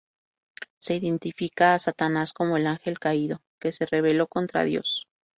Se identifica a Satanás como el "Ángel caído", que se rebeló contra Dios.